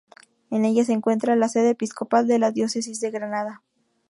En ella se encuentra la sede episcopal de la Diócesis de Granada.